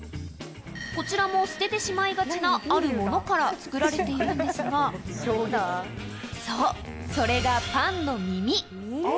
こちらも捨ててしまいがちな、あるものから作られているんですが、そう、それがパンの耳。